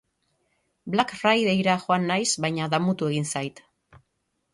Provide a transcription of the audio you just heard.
Black Friday-ra joan naiz baina damutu egin zait.